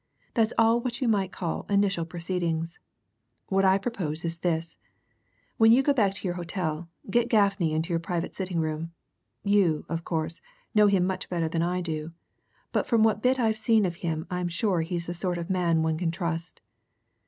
That's all what you might call initial proceedings. What I propose is this when you go back to your hotel, get Gaffney into your private sitting room. You, of course, know him much better than I do, but from what bit I've seen of him I'm sure he's the sort of man one can trust.